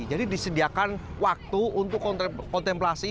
jadi disediakan waktu untuk kontemplasi